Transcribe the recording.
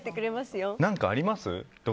何かあります？